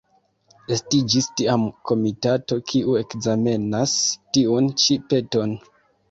Estiĝis tiam komitato, kiu ekzamenas tiun-ĉi peton.